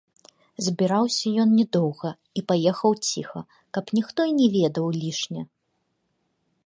Збіраўся ён не доўга і паехаў ціха, каб ніхто і не ведаў лішне.